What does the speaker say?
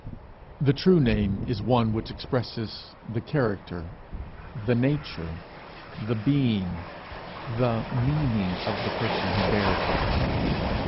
The true name is one which expresses the character, the nature, the being, the meaning of the person who bears it.